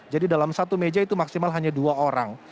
jadi dalam satu meja itu maksimal hanya dua orang